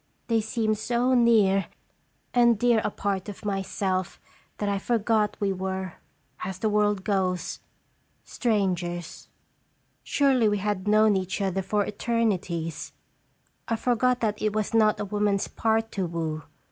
They seemed so near and dear a part of myself, that I forgot we were, as the world goes, strangers. Surely we 318 "&ru tlje SDeafc had known each other for eternities. I forgot that it was not a woman's part to woo.